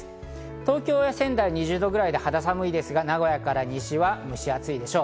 東京や仙台は２０度くらいで肌寒いですが、名古屋から西は蒸し暑いでしょう。